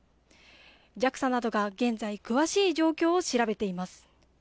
ＪＡＸＡなどが現在、詳しい状況を調べています。